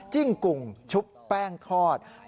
กุ่งชุบแป้งทอด